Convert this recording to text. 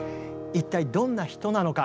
一体どんな人なのか。